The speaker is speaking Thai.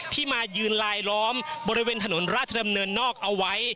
มายืนลายล้อมบริเวณถนนราชดำเนินนอกเอาไว้